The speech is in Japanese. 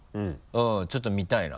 うんちょっと見たいな。